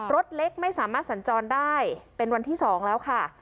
รถเล็กไม่สามารถสัญจรได้เป็นวันที่๒แล้วค่ะ